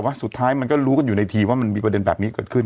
สุดท้ายมันก็รู้กันอยู่ในทีว่ามันมีประเด็นแบบนี้เกิดขึ้น